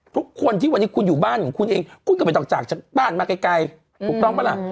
ทุกคนที่วันนี้คุณอยู่บ้านของคุณเองคุณก็ไม่ต้องจากบ้านมาไกลถูกต้องปะล่ะ